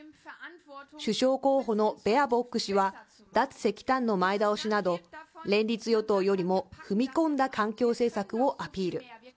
首相候補のベアボック氏は脱石炭の前倒しなど、連立与党よりも踏み込んだ環境政策をアピール。